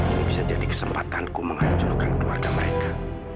ini bisa jadi kesempatanku menghancurkan keluarga mereka